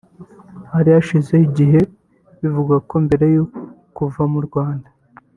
Hari hashize igihe bivugwa ko mbere yo kuva mu Rwanda